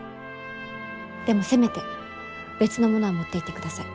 でもせめて別のものは持っていってください。